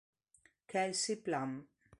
Kelsey Plum